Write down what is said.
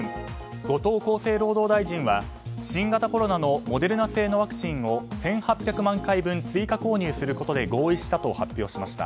後藤厚生労働大臣は新型コロナのモデルナ製のワクチンを１８００万回分追加購入することで合意したと発表しました。